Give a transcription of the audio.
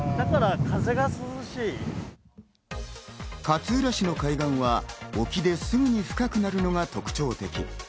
勝浦市の海岸は、沖ですぐに深くなるのが特徴的。